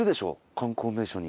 観光名所に。